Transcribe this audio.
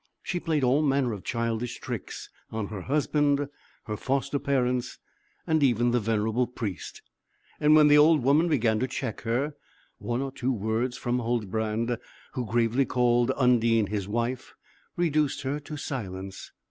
She played all manner of childish tricks on her husband, her foster parents, and even the venerable Priest, and when the old woman began to check her, one or two words from Huldbrand, who gravely called Undine "his wife," reduced her to silence.